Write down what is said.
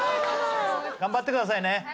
頑張ってくださいね。